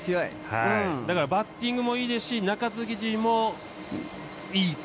バッティングもいいですし中継ぎ陣もいいと。